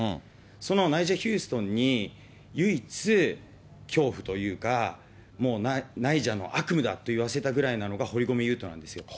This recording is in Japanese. そのナイジャ・ヒューストンに、唯一、恐怖というか、もうナイジャの悪夢だといわせたぐらいなのが、堀米雄斗なんですよ。